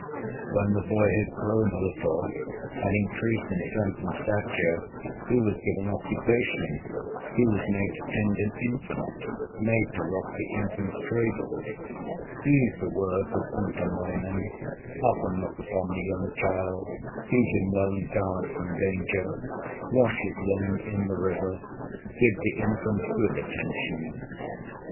When the boy had grown a little, Had increased in strength and stature, He was given occupation, He was made to tend an infant, Made to rock the infant's cradle. These the words of Untamoinen: "Often look upon the young child, Feed him well and guard from danger, Wash his linen in the river, Give the infant good attention."